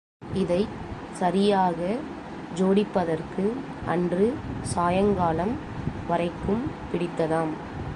இதைச் சரியாக ஜோடிப்பதற்கு அன்று சாயங்காலம் வரைக்கும் பிடித்ததாம்.